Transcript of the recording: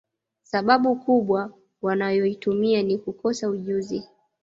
Sababu kubwa wanayoitumia ni kukosa ujuzi